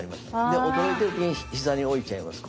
で驚いている時に膝に置いちゃいます。